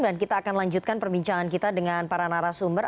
dan kita akan lanjutkan perbincangan kita dengan para narasumber